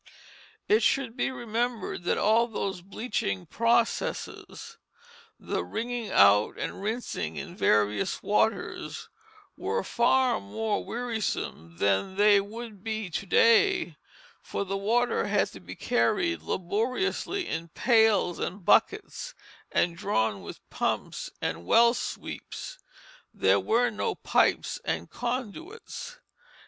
It should be remembered that all those bleaching processes, the wringing out and rinsing in various waters, were far more wearisome then than they would be to day, for the water had to be carried laboriously in pails and buckets, and drawn with pumps and well sweeps; there were no pipes and conduits.